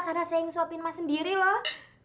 karena saya yang ngesuapin mas sendiri loh